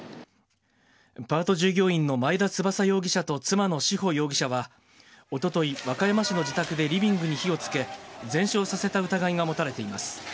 パート従業員の前田翼容疑者と妻の志保容疑者はおととい、和歌山市の自宅でリビングに火をつけ、全焼させた疑いが持たれています。